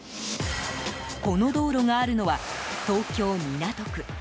この道路があるのは東京・港区。